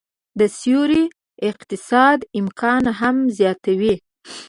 د سیوري اقتصاد امکان هم زياتوي